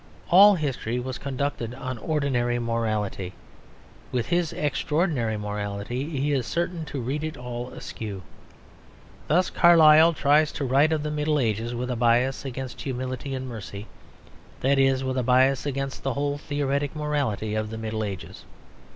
All history was conducted on ordinary morality: with his extraordinary morality he is certain to read it all askew. Thus Carlyle tries to write of the Middle Ages with a bias against humility and mercy; that is, with a bias against the whole theoretic morality of the Middle Ages.